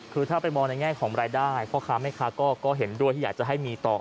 คือถ้าไปมองในแง่ของรายได้พ่อค้าแม่ค้าก็เห็นด้วยที่อยากจะให้มีต่อ